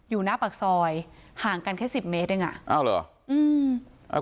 อยู่หน้าปากซอยห่างกันแค่สิบเมตรเองอ่ะอ้าวเหรออืมอ่า